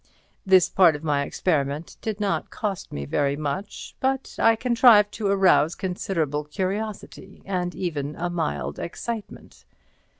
This part of my experiment did not cost me very much, but I contrived to arouse considerable curiosity, and even a mild excitement.